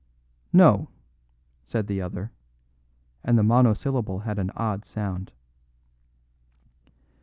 "No," said the other, and the monosyllable had an odd sound.